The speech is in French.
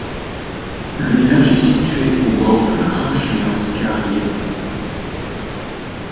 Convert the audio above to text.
Le village est situé au bord de la Rašljanska rijeka.